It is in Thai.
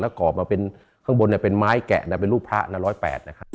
แล้วก่อมาเป็นข้างบนเนี่ยเป็นไม้แกะนะเป็นรูปพระนะ๑๐๘นะครับ